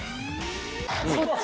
そっち？